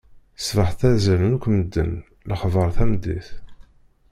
Sebeḥ ttazalen akk medden, lexbaṛ tameddit.